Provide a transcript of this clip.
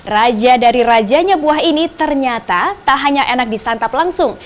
raja dari rajanya buah ini ternyata tak hanya enak disantap langsung